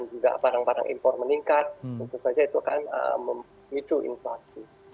yang impor meningkat tentu saja itu kan memicu inflasi